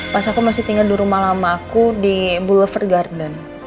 pas aku masih tinggal di rumah lama aku di boulever garden